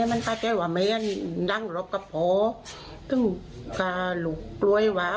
มันทักลงใส่มันมันกล้าวิ่งขึ้นไปพอดี